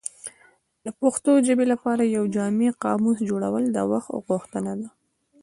د پښتو ژبې لپاره د یو جامع قاموس جوړول د وخت غوښتنه ده.